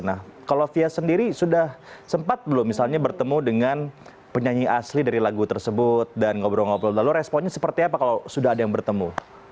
nah kalau fia sendiri sudah sempat belum misalnya bertemu dengan penyanyi asli dari lagu tersebut dan ngobrol ngobrol lalu responnya seperti apa kalau sudah ada yang bertemu